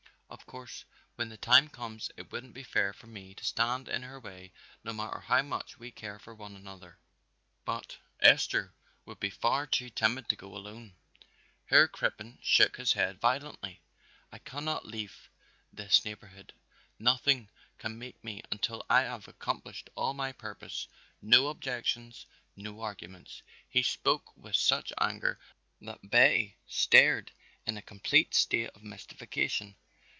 "Of course when the time comes it wouldn't be fair for me to stand in her way no matter how much we care for one another, but Esther would be far too timid to go alone." Herr Crippen shook his head violently. "I cannot leaf this neighborhood, nothing can make me until I haf accomplished all my purpose, no objectings, no arguments." He spoke with such anger that Betty stared in a complete state of mystification.